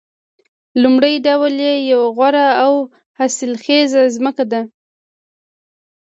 لومړی ډول یې یوه غوره او حاصلخیزه ځمکه ده